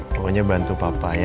pokoknya bantu papa ya